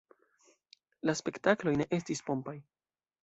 La spektakloj ne estis pompaj.